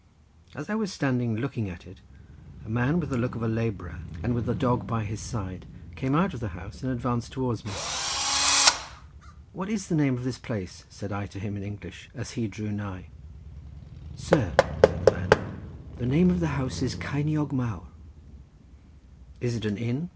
As I was standing looking at it, a man with the look of a labourer, and with a dog by his side, came out of the house and advanced towards me. "What is the name of this place?" said I to him in English as he drew nigh. "Sir," said the man, "the name of the house is Ceiniog Mawr." "Is it an inn?"